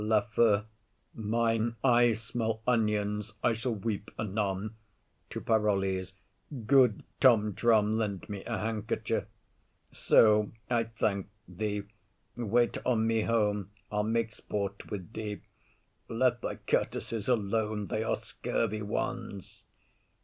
LAFEW. Mine eyes smell onions; I shall weep anon. [to Parolles] Good Tom Drum, lend me a handkercher. So, I thank thee. Wait on me home, I'll make sport with thee. Let thy courtesies alone, they are scurvy ones.